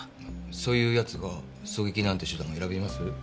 そういう奴が狙撃なんて手段選びます？